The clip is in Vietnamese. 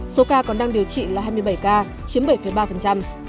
số ca còn đang điều trị là hai mươi bảy ca chiếm bảy ba